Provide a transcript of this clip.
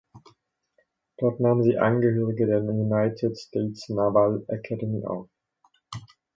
Dort nahm sie Angehörige der United States Naval Academy auf.